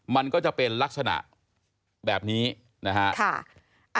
มันก็จะเป็นลักษณะแบบนี้นะฮะ